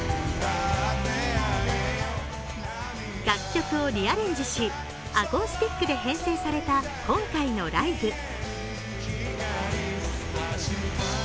楽曲をリアレンジしアコースティックで編成された今回のライブ。